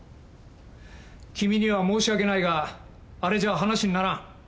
君には申し訳ないがあれじゃ話にならん。